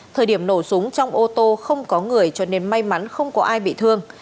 thời điểm nổ súng trong ô tô không có người cho nên may mắn không có ai bị thương